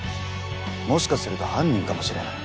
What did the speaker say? もしかすると犯人かもしれない。